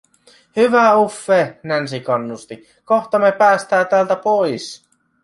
"Hyvä Uffe!", Nancy kannusti, "kohta me päästää täältä pois".